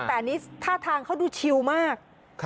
แต่อันนี้ท่าทางเขาดูชิวมาก